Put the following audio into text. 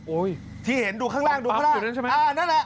โอ้ยยยที่เห็นดูข้างล่างดูข้างล่างอ๋อนั่นแหละ